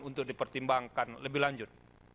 untuk dipertimbangkan lebih lanjut